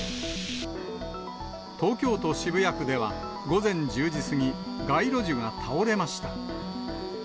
東京都渋谷区では、午前１０時過ぎ、街路樹が倒れました。